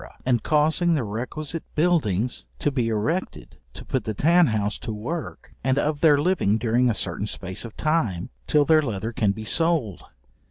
and causing the requisite buildings to be erected to put the tan house to work, and of their living during a certain space of time, till their leather can be sold.